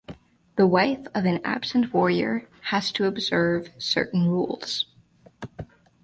The wife of an absent warrior has to observe certain rules.